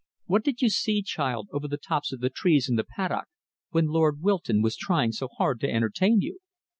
What did you see, child, over the tops of the trees in the paddock, when Lord Wilton was trying so hard to entertain you?"